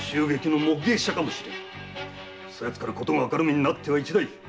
そやつから事が明るみになっては一大事！